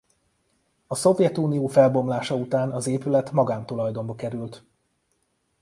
A Szovjetunió felbomlása után az épület magántulajdonba került.